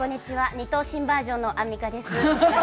２頭身バージョンのアンミカです。